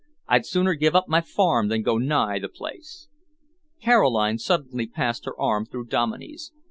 "I'd sooner give up my farm than go nigh the place." Caroline suddenly passed her arm through Dominey's.